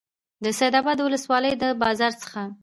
د سیدآباد د ولسوالۍ د بازار څخه